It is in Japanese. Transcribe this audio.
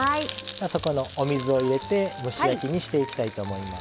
そこのお水を入れて蒸し焼きにしていきたいと思います。